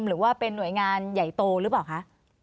หรือว่าเป็นหน่วยงานใหญ่โตหรือเปล่าคะ